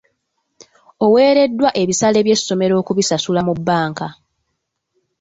Oweereddwa ebisale by’essomero okubisasula mu bbanka.